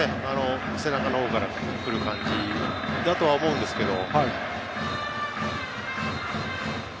背中の方から来る感じだとは思うんですけど。